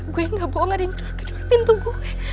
gue gak bohong ada yang jadwal ke pintu gue